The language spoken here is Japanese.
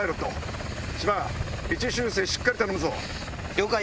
了解！